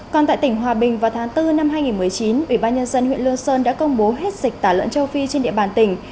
còn tại tỉnh hòa bình vào tháng bốn năm hai nghìn một mươi chín ủy ban nhân dân huyện lương sơn đã công bố hết dịch tả lợn châu phi trên địa bàn tỉnh